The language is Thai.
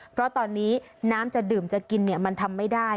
เพราะตอนนี้น้ำจะดื่มจะกินมันทำไม่ได้